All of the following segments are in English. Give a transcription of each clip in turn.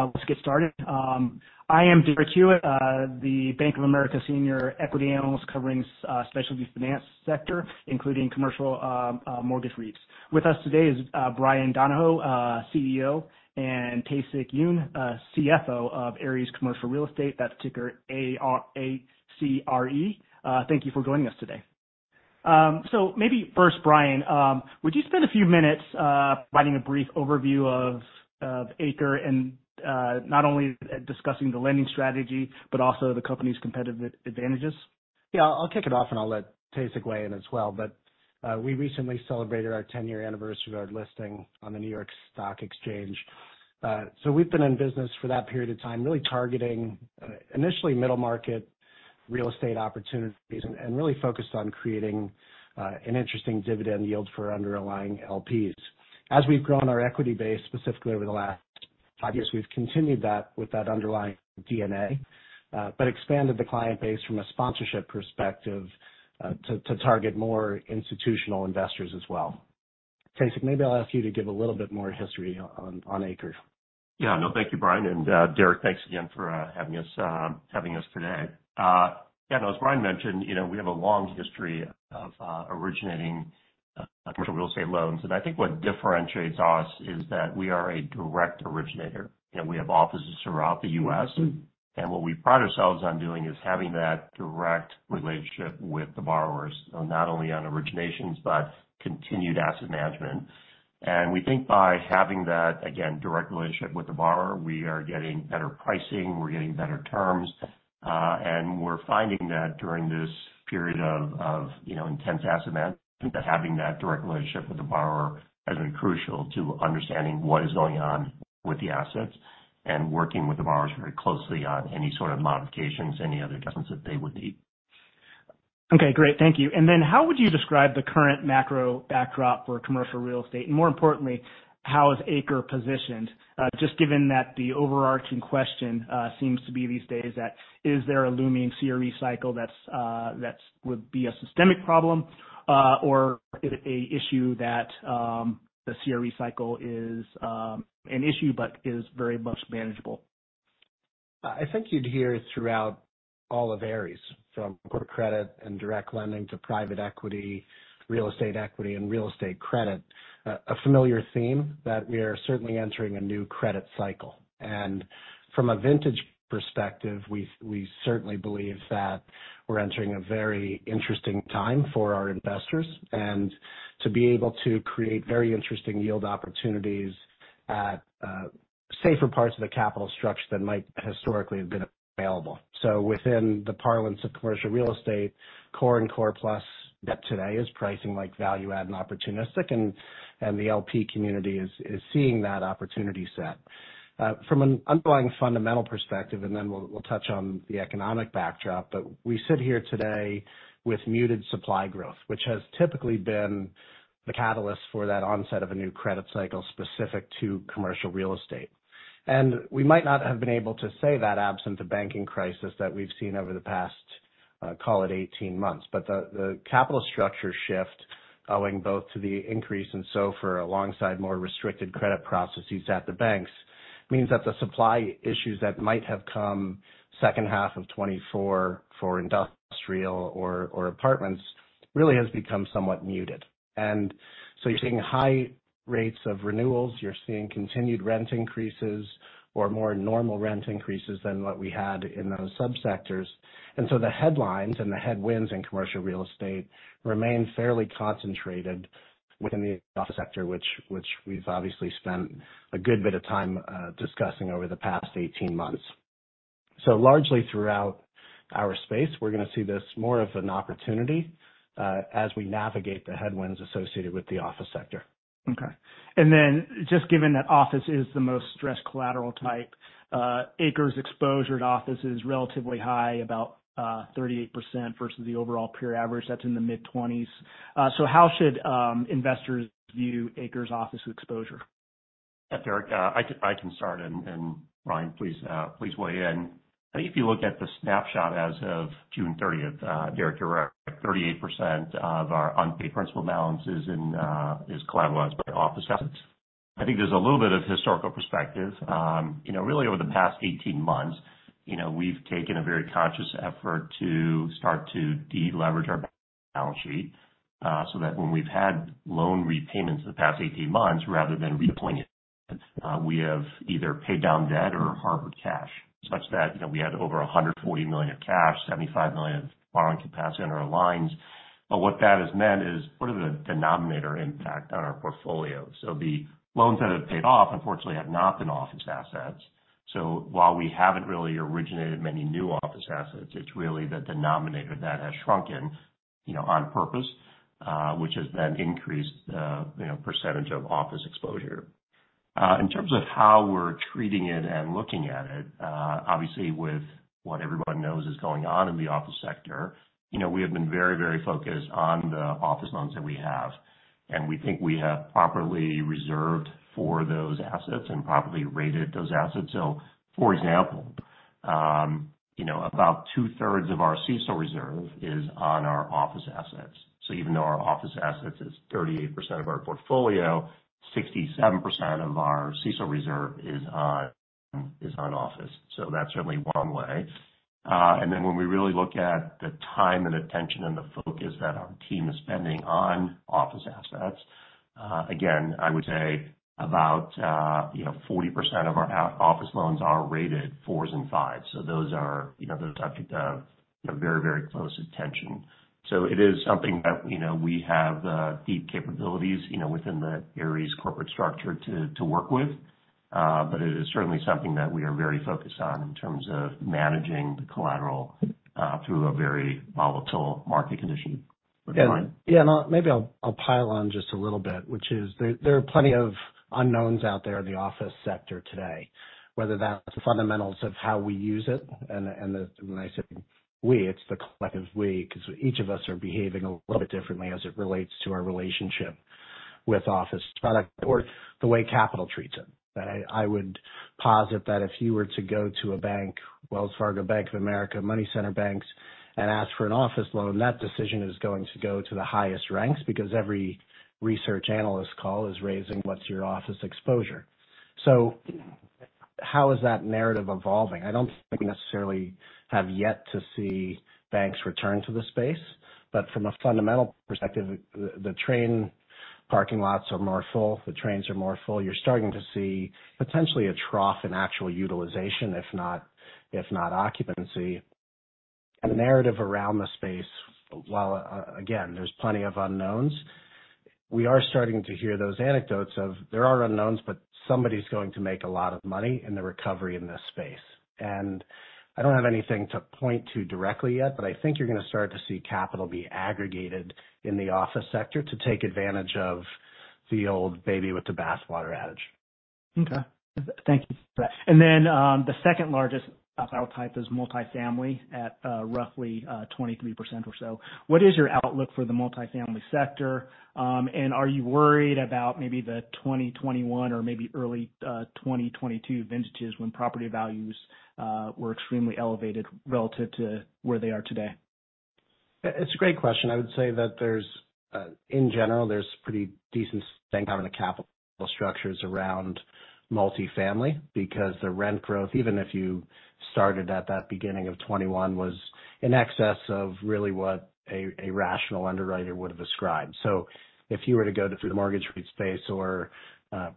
Let's get started. I am Derek Hewett, the Bank of America senior equity analyst covering, specialty finance sector, including commercial, mortgage REITs. With us today is, Bryan Donohoe, CEO, and Tae-Sik Yoon, CFO of Ares Commercial Real Estate. That's ticker A-C-R-E. Thank you for joining us today. So maybe first, Bryan, would you spend a few minutes, providing a brief overview of ACRE and, not only discussing the lending strategy but also the company's competitive advantages? Yeah, I'll kick it off, and I'll let Tae-Sik weigh in as well. But we recently celebrated our 10-year anniversary of our listing on the New York Stock Exchange. So we've been in business for that period of time, really targeting initially middle market real estate opportunities and, and really focused on creating an interesting dividend yield for our underlying LPs. As we've grown our equity base, specifically over the last five years, we've continued that with that underlying DNA, but expanded the client base from a sponsorship perspective to, to target more institutional investors as well. Tae-Sik, maybe I'll ask you to give a little bit more history on, on ACRE. Yeah. No, thank you, Bryan, and, Derek, thanks again for, having us, having us today. Yeah, and as Bryan mentioned, you know, we have a long history of, originating, commercial real estate loans, and I think what differentiates us is that we are a direct originator. You know, we have offices throughout the U.S., and what we pride ourselves on doing is having that direct relationship with the borrowers, not only on originations but continued asset management. We think by having that, again, direct relationship with the borrower, we are getting better pricing, we're getting better terms, and we're finding that during this period of, you know, intense asset management, that having that direct relationship with the borrower has been crucial to understanding what is going on with the assets and working with the borrowers very closely on any sort of modifications, any other adjustments that they would need. Okay, great. Thank you. And then how would you describe the current macro backdrop for commercial real estate? And more importantly, how is ACRE positioned? Just given that the overarching question seems to be these days, that is there a looming CRE cycle that's that would be a systemic problem, or is it an issue that the CRE cycle is an issue but is very much manageable? I think you'd hear it throughout all of Ares, from corporate credit and direct lending to private equity, real estate equity, and real estate credit. A familiar theme that we are certainly entering a new credit cycle. And from a vintage perspective, we certainly believe that we're entering a very interesting time for our investors, and to be able to create very interesting yield opportunities at safer parts of the capital structure than might historically have been available. So within the parlance of commercial real estate, core and core plus debt today is pricing like value add and opportunistic, and the LP community is seeing that opportunity set. From an underlying fundamental perspective, and then we'll, we'll touch on the economic backdrop, but we sit here today with muted supply growth, which has typically been the catalyst for that onset of a new credit cycle specific to commercial real estate. And we might not have been able to say that absent the banking crisis that we've seen over the past, call it 18 months. But the capital structure shift, owing both to the increase in SOFR alongside more restricted credit processes at the banks, means that the supply issues that might have come second half of 2024 for industrial or apartments, really has become somewhat muted. And so you're seeing high rates of renewals, you're seeing continued rent increases or more normal rent increases than what we had in those sub-sectors. So the headlines and the headwinds in commercial real estate remain fairly concentrated within the office sector, which we've obviously spent a good bit of time discussing over the past 18 months. Largely throughout our space, we're going to see this more of an opportunity as we navigate the headwinds associated with the office sector. Okay. And then just given that office is the most stressed collateral type, ACRE's exposure to office is relatively high, about 38% versus the overall peer average, that's in the mid-20s%. So how should investors view ACRE's office exposure? Derek, I can start, and Bryan, please weigh in. I think if you look at the snapshot as of June 30th, Derek, you're right, 38% of our unpaid principal balance is in, is collateralized by office assets. I think there's a little bit of historical perspective. You know, really over the past 18 months, you know, we've taken a very conscious effort to start to deleverage our balance sheet, so that when we've had loan repayments in the past 18 months, rather than redeploying it, we have either paid down debt or harbored cash, such that, you know, we had over $140 million of cash, $75 million of borrowing capacity on our lines. But what that has meant is, what are the denominator impact on our portfolio? So the loans that have paid off, unfortunately, have not been office assets. So while we haven't really originated many new office assets, it's really the denominator that has shrunken, you know, on purpose, which has then increased the, you know, percentage of office exposure. In terms of how we're treating it and looking at it, obviously, with what everyone knows is going on in the office sector, you know, we have been very, very focused on the office loans that we have, and we think we have properly reserved for those assets and properly rated those assets. So for example, you know, about 2/3 of our CECL reserve is on our office assets. So even though our office assets is 38% of our portfolio, 67% of our CECL reserve is on, is on office. So that's certainly one way. And then when we really look at the time and attention and the focus that our team is spending on office assets, again, I would say about, you know, 40% of our office loans are rated 4s and 5s. So those are, you know, those are the, you know, very, very close attention. So it is something that, you know, we have deep capabilities, you know, within the Ares corporate structure to, to work with. But it is certainly something that we are very focused on in terms of managing the collateral through a very volatile market condition. Bryan? Yeah, and maybe I'll pile on just a little bit, which is there are plenty of unknowns out there in the office sector today, whether that's the fundamentals of how we use it, and the, when I say we, it's the collective we, because each of us are behaving a little bit differently as it relates to our relationship with office product or the way capital treats it. I would posit that if you were to go to a bank, Wells Fargo, Bank of America, money center banks, and ask for an office loan, that decision is going to go to the highest ranks because every research analyst call is raising, "What's your office exposure?" So how is that narrative evolving? I don't think we necessarily have yet to see banks return to the space, but from a fundamental perspective, the train parking lots are more full, the trains are more full. You're starting to see potentially a trough in actual utilization, if not occupancy. And the narrative around the space, while again, there's plenty of unknowns, we are starting to hear those anecdotes of there are unknowns, but somebody's going to make a lot of money in the recovery in this space. And I don't have anything to point to directly yet, but I think you're going to start to see capital be aggregated in the office sector to take advantage of the old baby with the bathwater adage. Okay. Thank you for that. And then, the second largest asset type is multifamily at, roughly, 23% or so. What is your outlook for the multifamily sector? And are you worried about maybe the 2021 or maybe early 2022 vintages when property values were extremely elevated relative to where they are today? It's a great question. I would say that there's, in general, there's pretty decent thing having the capital structures around multifamily because the rent growth, even if you started at that beginning of 2021, was in excess of really what a rational underwriter would have described. So if you were to go to the mortgage REIT space or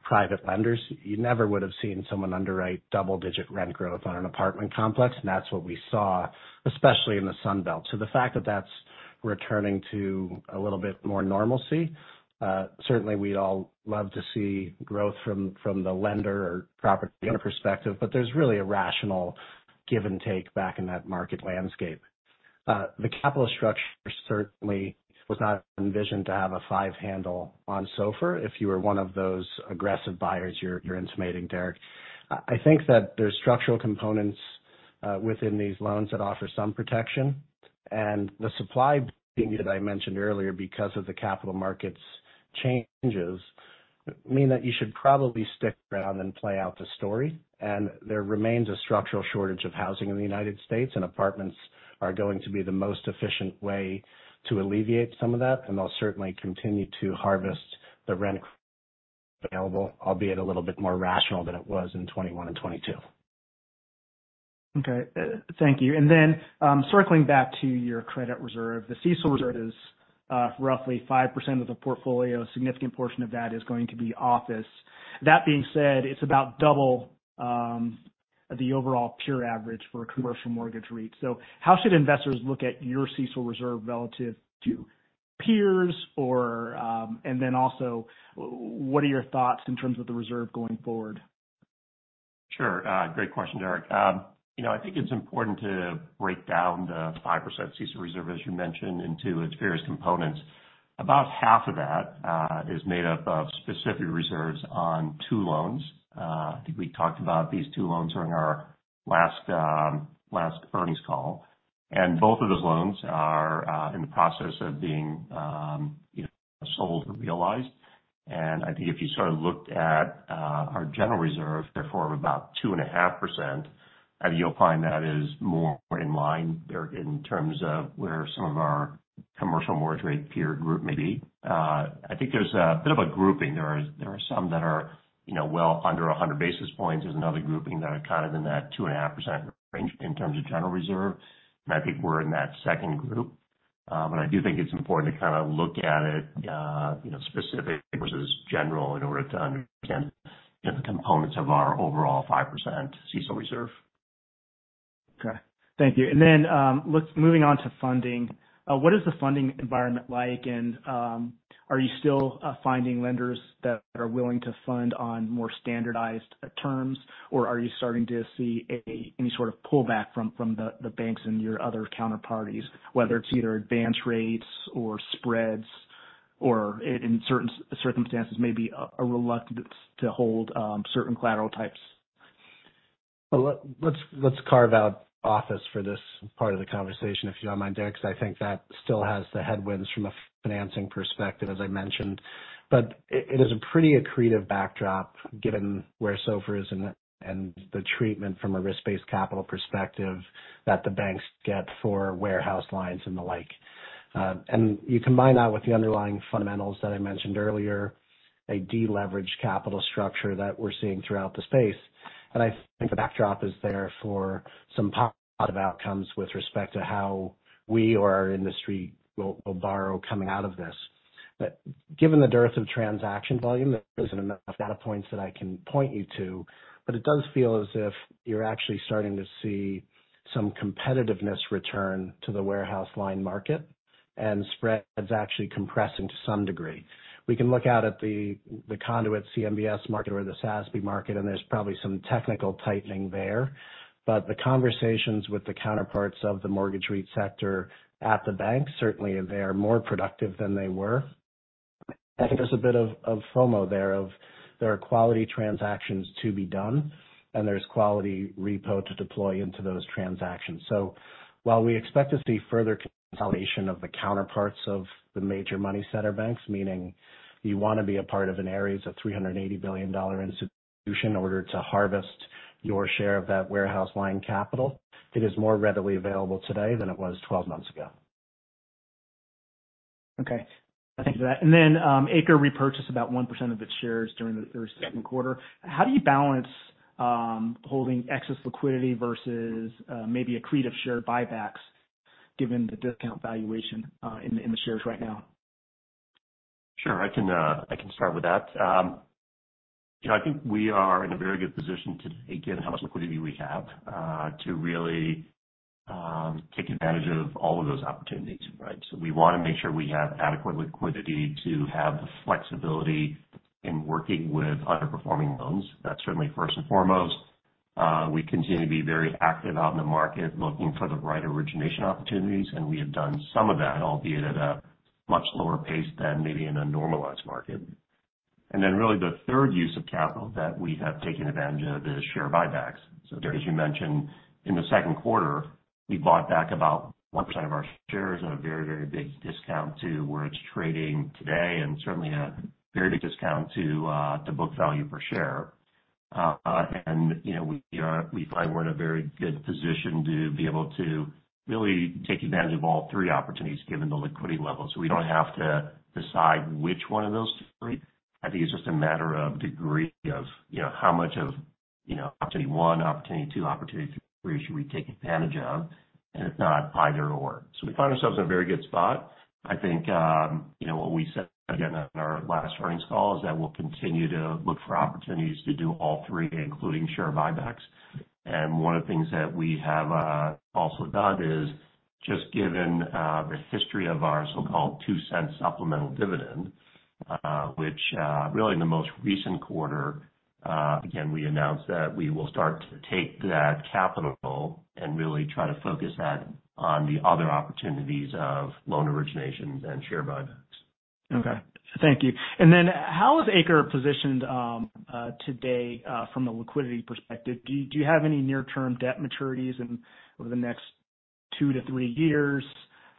private lenders, you never would have seen someone underwrite double-digit rent growth on an apartment complex, and that's what we saw, especially in the Sunbelt. So the fact that that's returning to a little bit more normalcy, certainly we'd all love to see growth from the lender or property owner perspective, but there's really a rational give and take back in that market landscape. The capital structure certainly was not envisioned to have a five handle on SOFR. If you were one of those aggressive buyers, you're intimating, Derek. I think that there's structural components within these loans that offer some protection. The supply thing that I mentioned earlier, because of the capital markets changes, mean that you should probably stick around and play out the story. There remains a structural shortage of housing in the United States, and apartments are going to be the most efficient way to alleviate some of that, and they'll certainly continue to harvest the rent available, albeit a little bit more rational than it was in 2021 and 2022. Okay, thank you. And then, circling back to your credit reserve, the CECL reserve is roughly 5% of the portfolio. A significant portion of that is going to be office. That being said, it's about double the overall peer average for a commercial mortgage REIT. So how should investors look at your CECL reserve relative to peers or, and then also, what are your thoughts in terms of the reserve going forward? Sure. Great question, Derek. You know, I think it's important to break down the 5% CECL reserve, as you mentioned, into its various components. About half of that is made up of specific reserves on two loans. I think we talked about these two loans during our last earnings call, and both of those loans are in the process of being, you know, sold or realized. And I think if you sort of looked at our general reserve, therefore, about 2.5%, I think you'll find that is more in line, Derek, in terms of where some of our commercial mortgage REIT peer group may be. I think there's a bit of a grouping. There are some that are, you know, well under 100 basis points. There's another grouping that are kind of in that 2.5% range in terms of general reserve, and I think we're in that second group. I do think it's important to kind of look at it, you know, specific versus general in order to understand the components of our overall 5% CECL reserve. Okay. Thank you. And then, moving on to funding. What is the funding environment like? And, are you still finding lenders that are willing to fund on more standardized terms, or are you starting to see any sort of pullback from the banks and your other counterparties, whether it's either advance rates or spreads, or in certain circumstances, maybe a reluctance to hold certain collateral types? Well, let's carve out office for this part of the conversation, if you don't mind, Derek, because I think that still has the headwinds from a financing perspective, as I mentioned. But it, it is a pretty accretive backdrop, given where SOFR is and the, and the treatment from a risk-based capital perspective that the banks get for warehouse lines and the like. And you combine that with the underlying fundamentals that I mentioned earlier, a deleveraged capital structure that we're seeing throughout the space, and I think the backdrop is there for some positive outcomes with respect to how we or our industry will, will borrow coming out of this. But given the dearth of transaction volume, there isn't enough data points that I can point you to, but it does feel as if you're actually starting to see some competitiveness return to the Warehouse Line market and spreads actually compressing to some degree. We can look out at the Conduit CMBS market or the SASB market, and there's probably some technical tightening there. But the conversations with the counterparts of the Mortgage REIT sector at the bank, certainly they are more productive than they were. I think there's a bit of FOMO there, that there are quality transactions to be done, and there's quality repo to deploy into those transactions. While we expect to see further consolidation of the counterparties of the major money center banks, meaning you want to be a part of an Ares of $380 billion institution in order to harvest your share of that warehouse line capital, it is more readily available today than it was 12 months ago. Okay, thank you for that. And then, ACRE repurchased about 1% of its shares during the first, second quarter. How do you balance, holding excess liquidity versus, maybe accretive share buybacks, given the discount valuation, in the shares right now? Sure, I can, I can start with that. You know, I think we are in a very good position today, given how much liquidity we have, to really, take advantage of all of those opportunities, right? So we wanna make sure we have adequate liquidity to have the flexibility in working with underperforming loans. That's certainly first and foremost. We continue to be very active out in the market, looking for the right origination opportunities, and we have done some of that, albeit at a much lower pace than maybe in a normalized market. And then, really the third use of capital that we have taken advantage of is share buybacks. So Derek, as you mentioned, in the second quarter, we bought back about 1% of our shares at a very, very big discount to where it's trading today, and certainly at a very big discount to book value per share. And, you know, we find we're in a very good position to be able to really take advantage of all three opportunities, given the liquidity levels. We don't have to decide which one of those three. I think it's just a matter of degree of, you know, how much of, you know, opportunity one, opportunity two, opportunity three should we take advantage of, and it's not either/or. So we find ourselves in a very good spot. I think, you know, what we said again on our last earnings call is that we'll continue to look for opportunities to do all three, including share buybacks. And one of the things that we have also done is just given the history of our so-called $0.02 supplemental dividend, which really in the most recent quarter, again, we announced that we will start to take that capital and really try to focus that on the other opportunities of loan originations and share buybacks. Okay. Thank you. And then how is ACRE positioned, today, from a liquidity perspective? Do you, do you have any near-term debt maturities in over the next two to three years?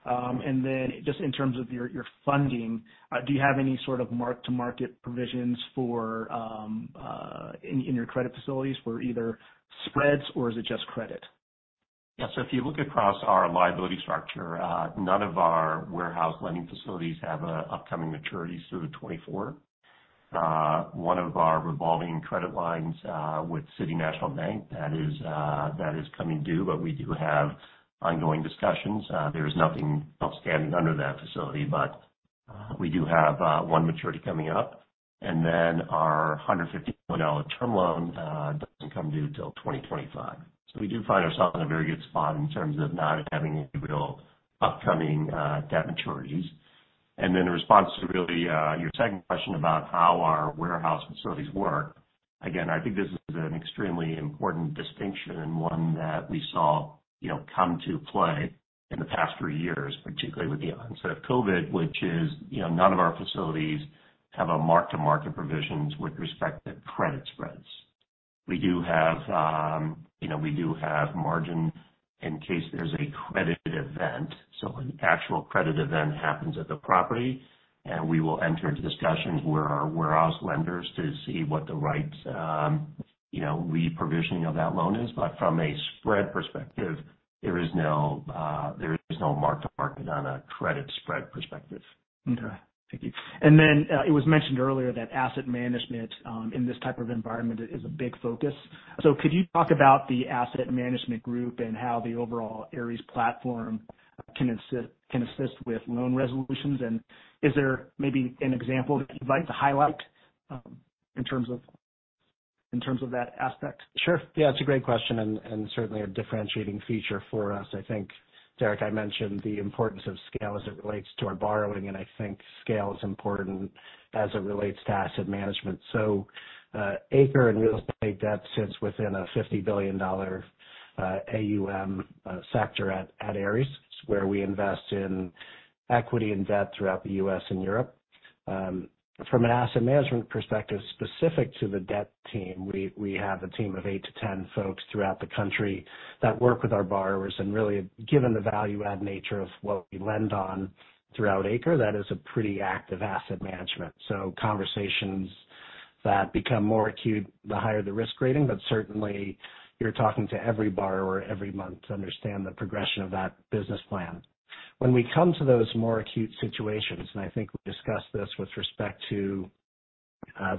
And then just in terms of your, your funding, do you have any sort of mark-to-market provisions for, in your credit facilities for either spreads or is it just credit? Yeah. So if you look across our liability structure, none of our warehouse lending facilities have upcoming maturities through 2024. One of our revolving credit lines with City National Bank, that is coming due, but we do have ongoing discussions. There is nothing outstanding under that facility, but we do have one maturity coming up, and then our $150 million term loan doesn't come due till 2025. So we do find ourselves in a very good spot in terms of not having any real upcoming debt maturities. And then in response to really, your second question about how our warehouse facilities work, again, I think this is an extremely important distinction, and one that we saw, you know, come to play in the past three years, particularly with the onset of COVID, which is, you know, none of our facilities have a mark-to-market provisions with respect to credit spreads. We do have, you know, we do have margin in case there's a credit event, so an actual credit event happens at the property, and we will enter into discussions with our warehouse lenders to see what the right, you know, reprovisioning of that loan is. But from a spread perspective, there is no, there is no mark-to-market on a credit spread perspective. Okay. Thank you. And then, it was mentioned earlier that asset management, in this type of environment is a big focus. So could you talk about the asset management group and how the overall Ares platform can assist, can assist with loan resolutions? And is there maybe an example that you'd like to highlight, in terms of, in terms of that aspect? Sure. Yeah, it's a great question and certainly a differentiating feature for us. I think, Derek, I mentioned the importance of scale as it relates to our borrowing, and I think scale is important as it relates to asset management. So, ACRE and real estate debt sits within a $50 billion AUM sector at Ares, where we invest in equity and debt throughout the U.S. and Europe. From an asset management perspective, specific to the debt team, we have a team of eight to 10 folks throughout the country that work with our borrowers. And really, given the value-add nature of what we lend on throughout ACRE, that is a pretty active asset management. So conversations that become more acute, the higher the risk rating. But certainly, you're talking to every borrower every month to understand the progression of that business plan. When we come to those more acute situations, and I think we discussed this with respect to,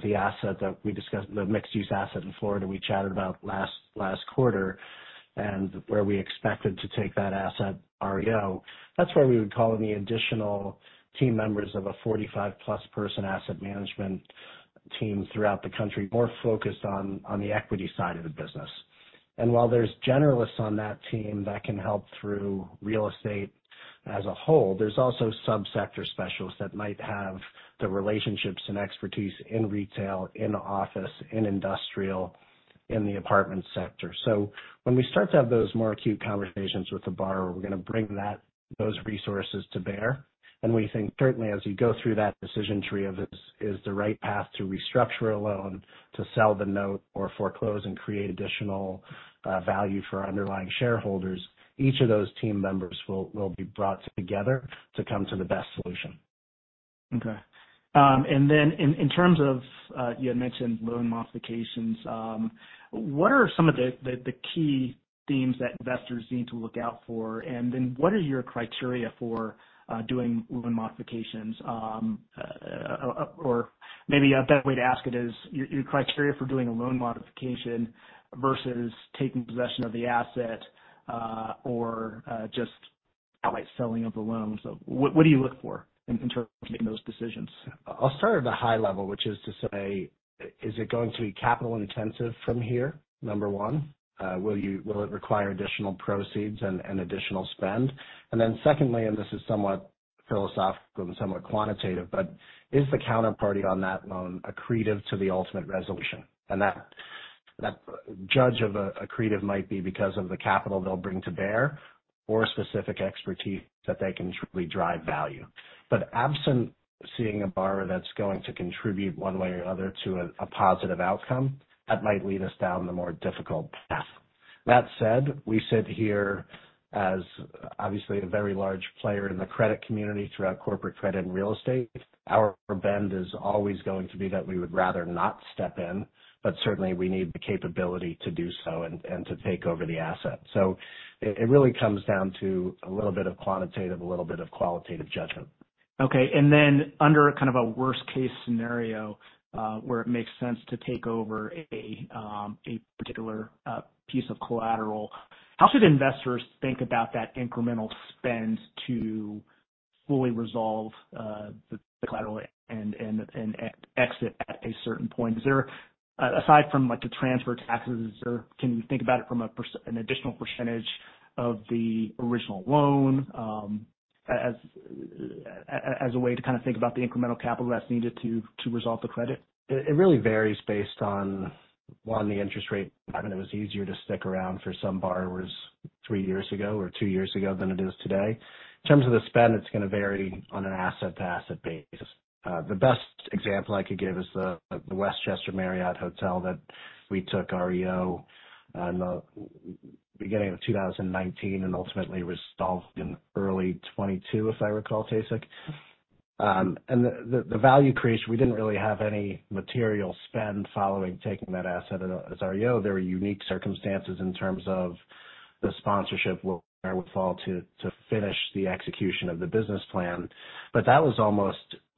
the asset that we discussed, the mixed-use asset in Florida we chatted about last, last quarter, and where we expected to take that asset REO. That's where we would call in the additional team members of a 45+ person asset management team throughout the country, more focused on, on the equity side of the business. And while there's generalists on that team that can help through real estate as a whole, there's also sub-sector specialists that might have the relationships and expertise in retail, in office, in industrial, in the apartment sector. So when we start to have those more acute conversations with the borrower, we're gonna bring that those resources to bear. We think certainly as you go through that decision tree of is the right path to restructure a loan, to sell the note, or foreclose and create additional value for our underlying shareholders, each of those team members will be brought together to come to the best solution. Okay. And then in terms of, you had mentioned loan modifications, what are some of the key themes that investors need to look out for? And then what are your criteria for doing loan modifications? Or maybe a better way to ask it is, your criteria for doing a loan modification versus taking possession of the asset, or just outright selling of the loan. So what do you look for in terms of making those decisions? I'll start at the high level, which is to say, is it going to be capital intensive from here, number one? Will it require additional proceeds and, and additional spend? And then secondly, and this is somewhat philosophical and somewhat quantitative, but is the counterparty on that loan accretive to the ultimate resolution? And that, that judge of a, accretive might be because of the capital they'll bring to bear or specific expertise that they can truly drive value. But absent seeing a borrower that's going to contribute one way or another to a, a positive outcome, that might lead us down the more difficult path. That said, we sit here as obviously a very large player in the credit community throughout corporate credit and real estate. Our bend is always going to be that we would rather not step in, but certainly we need the capability to do so and to take over the asset. So it really comes down to a little bit of quantitative, a little bit of qualitative judgment. Okay. And then under kind of a worst-case scenario, where it makes sense to take over a particular piece of collateral, how should investors think about that incremental spend to fully resolve the collateral and exit at a certain point? Is there, aside from, like, the transfer taxes, or can you think about it from an additional percentage of the original loan, as a way to kind of think about the incremental capital that's needed to resolve the credit? It really varies based on, one, the interest rate environment. It was easier to stick around for some borrowers three years ago or two years ago than it is today. In terms of the spend, it's gonna vary on an asset-to-asset basis. The best example I could give is the Westchester Marriott Hotel that we took REO in the beginning of 2019, and ultimately resolved in early 2022, if I recall, Tae-Sik Yoon. And the value creation, we didn't really have any material spend following taking that asset as REO. There were unique circumstances in terms of the sponsorship where would fall to, to finish the execution of the business plan. But that was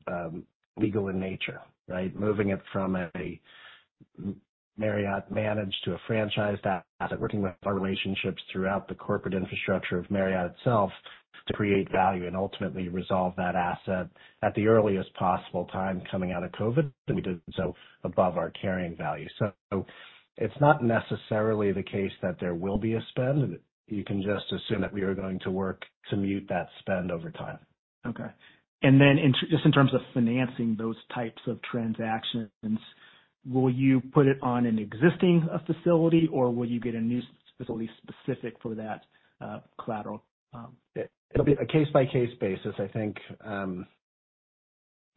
almost legal in nature, right? Moving it from a Marriott managed to a franchised asset, working with our relationships throughout the corporate infrastructure of Marriott itself to create value and ultimately resolve that asset at the earliest possible time coming out of COVID, and we did so above our carrying value. So it's not necessarily the case that there will be a spend. You can just assume that we are going to work to mute that spend over time. Okay. And then, just in terms of financing those types of transactions, will you put it on an existing facility, or will you get a new facility specific for that collateral? It'll be a case-by-case basis. I think,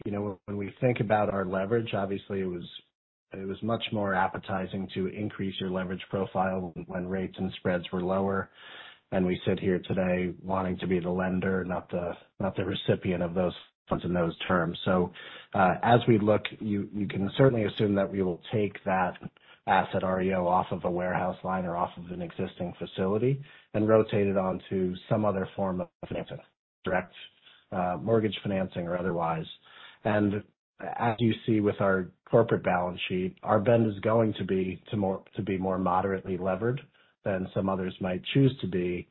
you know, when we think about our leverage, obviously it was, it was much more appetizing to increase your leverage profile when rates and spreads were lower. We sit here today wanting to be the lender, not the, not the recipient of those funds in those terms. So, as we look, you, you can certainly assume that we will take that asset REO off of a warehouse line or off of an existing facility and rotate it onto some other form of financing, direct, mortgage financing or otherwise. As you see with our corporate balance sheet, our bend is going to be to be more moderately levered than some others might choose to be,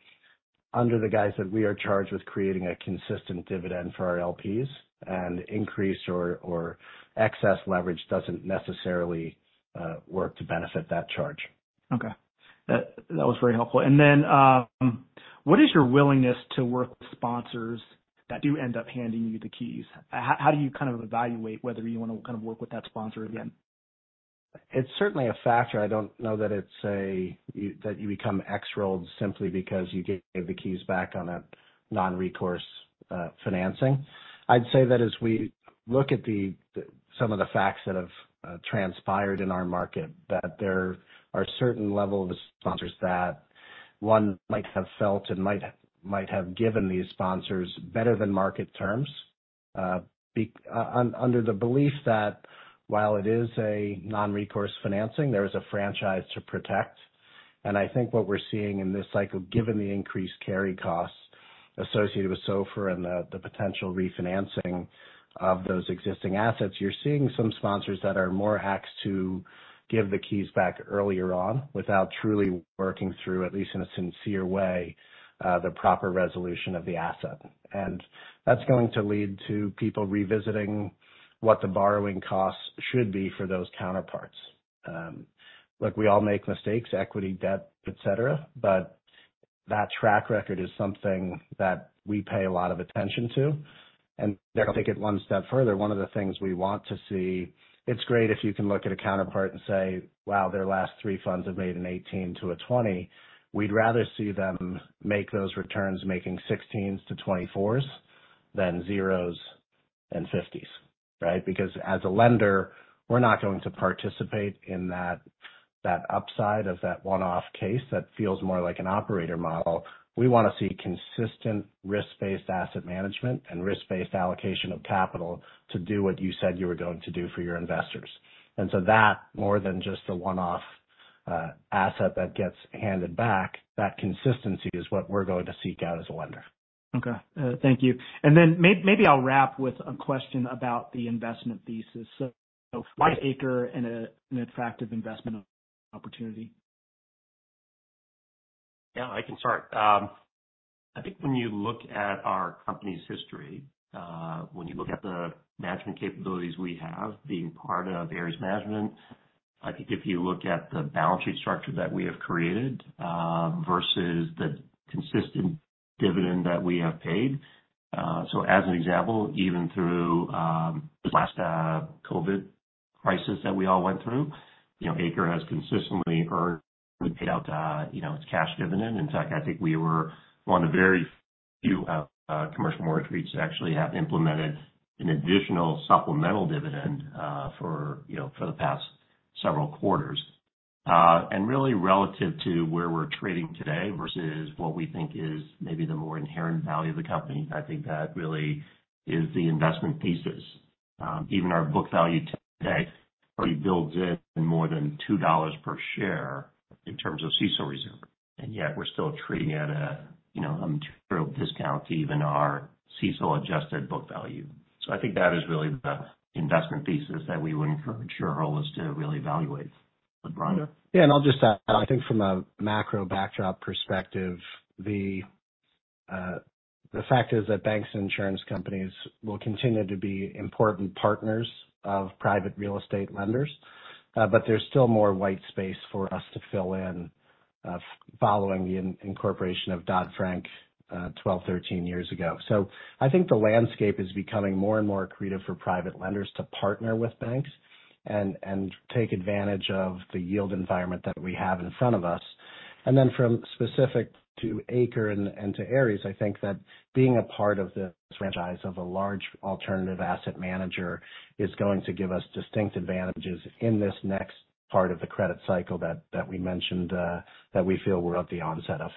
under the guise that we are charged with creating a consistent dividend for our LPs, and increase or excess leverage doesn't necessarily work to benefit that charge. Okay. That was very helpful. And then, what is your willingness to work with sponsors that do end up handing you the keys? How do you kind of evaluate whether you want to kind of work with that sponsor again? It's certainly a factor. I don't know that it's that you become X-rolled simply because you gave the keys back on a non-recourse financing. I'd say that as we look at some of the facts that have transpired in our market, that there are certain level of sponsors that one might have felt and might have given these sponsors better than market terms, been under the belief that while it is a non-recourse financing, there is a franchise to protect. And I think what we're seeing in this cycle, given the increased carry costs associated with SOFR and the potential refinancing of those existing assets, you're seeing some sponsors that are more apt to give the keys back earlier on, without truly working through, at least in a sincere way, the proper resolution of the asset. That's going to lead to people revisiting what the borrowing costs should be for those counterparts. Look, we all make mistakes, equity, debt, et cetera, but that track record is something that we pay a lot of attention to. Take it one step further, one of the things we want to see, it's great if you can look at a counterpart and say, "Wow, their last three funds have made an 18-20." We'd rather see them make those returns making 16s-24s than 0s and 50s, right? Because as a lender, we're not going to participate in that, that upside of that one-off case that feels more like an operator model. We wanna see consistent risk-based asset management and risk-based allocation of capital to do what you said you were going to do for your investors. And so that, more than just the one-off asset that gets handed back, that consistency is what we're going to seek out as a lender. Okay, thank you. And then maybe I'll wrap with a question about the investment thesis. So why is ACRE an attractive investment opportunity? Yeah, I can start. I think when you look at our company's history, when you look at the management capabilities we have, being part of Ares Management, I think if you look at the balance sheet structure that we have created, versus the consistent dividend that we have paid. So as an example, even through this last COVID crisis that we all went through, you know, ACRE has consistently earned and paid out, you know, its cash dividend. In fact, I think we were one of the very few commercial mortgage REITs to actually have implemented an additional supplemental dividend, for you know, for the past several quarters. And really relative to where we're trading today versus what we think is maybe the more inherent value of the company, I think that really is the investment thesis. Even our book value today already builds in more than $2 per share in terms of CECL reserve, and yet we're still trading at a, you know, material discount to even our CECL-adjusted book value. So I think that is really the investment thesis that we would encourage our listeners to really evaluate. Bryan? Yeah, and I'll just add, I think from a macro backdrop perspective, the fact is that banks and insurance companies will continue to be important partners of private real estate lenders, but there's still more white space for us to fill in following the incorporation of Dodd-Frank 12, 13 years ago. So I think the landscape is becoming more and more creative for private lenders to partner with banks and take advantage of the yield environment that we have in front of us. And then from specific to ACRE and to Ares, I think that being a part of the franchise of a large alternative asset manager is going to give us distinct advantages in this next part of the credit cycle that we mentioned that we feel we're at the onset of.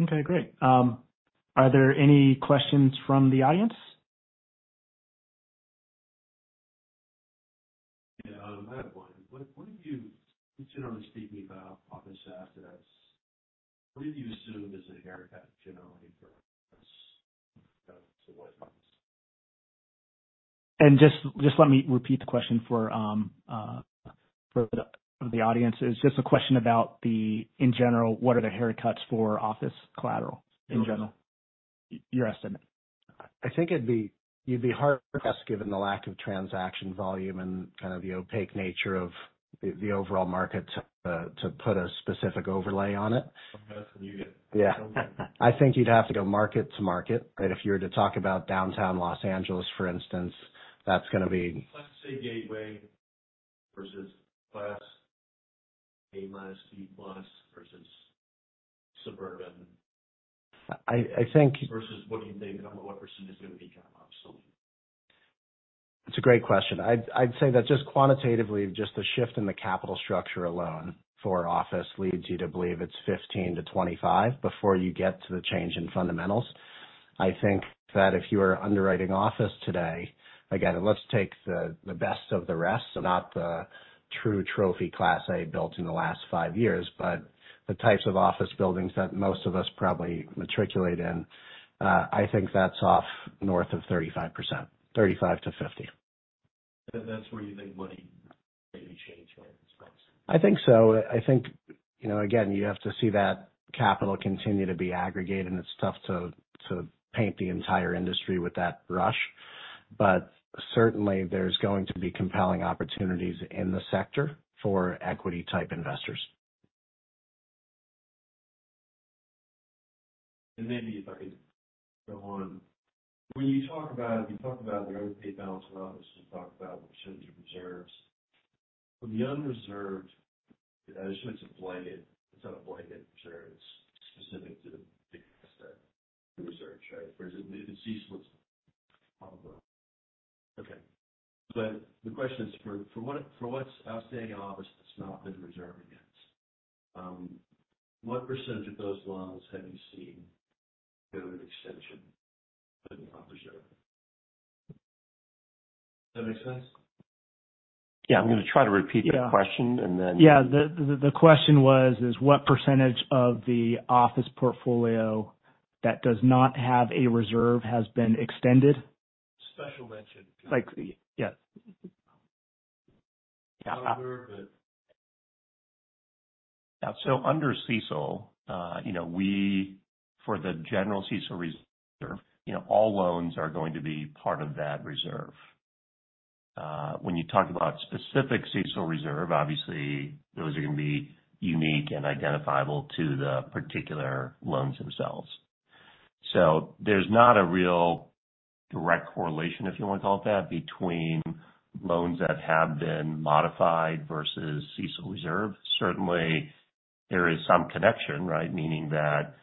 Okay, great. Are there any questions from the audience? Yeah, I have one. What, what do you generally speaking about office assets, what do you assume is the haircut generally for us? Just let me repeat the question for the audience. It's just a question about the... In general, what are the haircuts for office collateral in general? Your estimate. I think you'd be hard-pressed, given the lack of transaction volume and kind of the opaque nature of the, the overall market, to, to put a specific overlay on it. You get- Yeah. I think you'd have to go mark-to-market, right? If you were to talk about Downtown Los Angeles, for instance, that's gonna be- Let's say gateway versus Class A minus, B plus versus suburban. I think- Versus what do you think on what percent is going to be kind of absolutely? It's a great question. I'd say that just quantitatively, just the shift in the capital structure alone for office leads you to believe it's 15-25, before you get to the change in fundamentals. I think that if you are underwriting office today, again, let's take the best of the rest, so not the true trophy Class A built in the last five years, but the types of office buildings that most of us probably circulate in. I think that's off north of 35%, 35%-50%. That's where you think money maybe change hands? I think so. I think, you know, again, you have to see that capital continue to be aggregated, and it's tough to, to paint the entire industry with that brush. But certainly, there's going to be compelling opportunities in the sector for equity-type investors. Maybe if I could go on. When you talk about, you talk about the unpaid balance in office, you talk about percentage of reserves. From the unreserved, I assume it's a blanket, it's not a blanket reserve, it's specific to the asset reserve, right? Whereas the CECL is—Okay, but the question is, for, for what, for what's outstanding in office that's not been reserved against, what percentage of those loans have you seen go to an extension but not reserved? Does that make sense? Yeah. I'm going to try to repeat the question, and then- Yeah, the question was, is what percentage of the office portfolio that does not have a reserve has been extended? Special mention. Like, yeah. Yeah. Not aware of it. So under CECL, you know, for the general CECL reserve, you know, all loans are going to be part of that reserve. When you talk about specific CECL reserve, obviously those are going to be unique and identifiable to the particular loans themselves. So there's not a real direct correlation, if you want to call it that, between loans that have been modified versus CECL reserve. Certainly there is some connection, right? Meaning that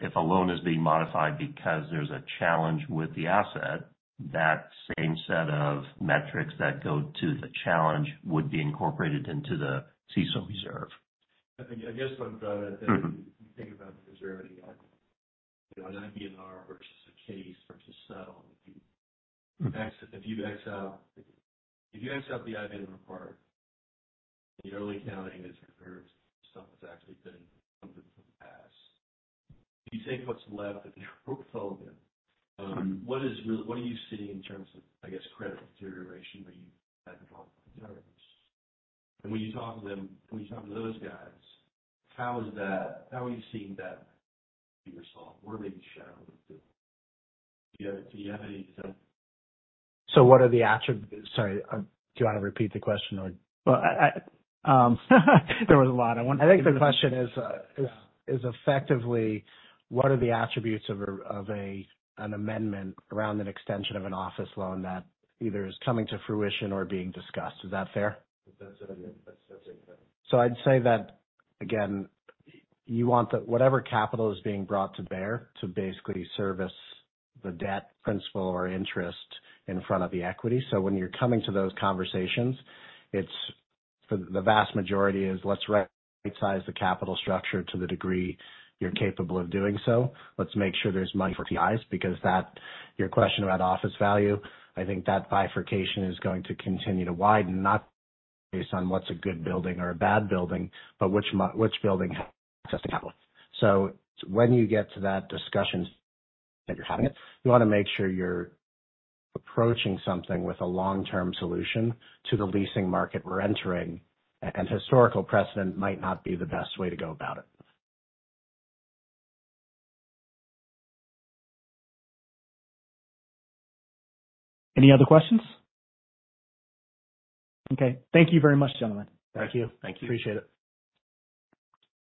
if a loan is being modified because there's a challenge with the asset, that same set of metrics that go to the challenge would be incorporated into the CECL reserve. I think, I guess what I'm trying to think about the reserve again, you know, an IBNR versus a case versus settle. If you ex out the IBNR part, the CECL accounting is reserved, stuff that's actually been approved in the past. If you take what's left of your portfolio, what are you really seeing in terms of, I guess, credit deterioration where you have reserves? And when you talk to them, when you talk to those guys, how are you seeing that be resolved or maybe shadowed? Do you have any kind of- So what are the attributes... Sorry, do you want to repeat the question or? Well, there was a lot I want- I think the question is effectively what are the attributes of an amendment around an extension of an office loan that either is coming to fruition or being discussed. Is that fair? That's it. Yeah, that's, that's it. So I'd say that again, you want whatever capital is being brought to bear to basically service the debt principal or interest in front of the equity. So when you're coming to those conversations, it's for the vast majority is let's rightsize the capital structure to the degree you're capable of doing so. Let's make sure there's money for TIs, because that, your question about office value, I think that bifurcation is going to continue to widen, not based on what's a good building or a bad building, but which which building has access to capital. So when you get to that discussion that you're having it, you want to make sure you're approaching something with a long-term solution to the leasing market we're entering, and historical precedent might not be the best way to go about it. Any other questions? Okay, thank you very much, gentlemen. Thank you. Thank you. Appreciate it.